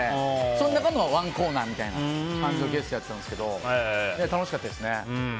その中のワンコーナーみたいな感じのゲストやったんですけど楽しかったですね。